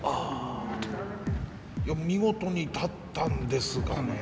見事に立ったんですがね。